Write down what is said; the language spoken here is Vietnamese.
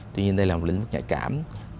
tuy nhiên đây là một lĩnh vực nhạy cảm